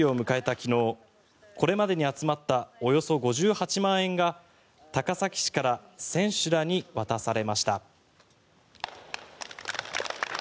昨日これまでに集まったおよそ５８万円が高崎市から選手らに渡されました。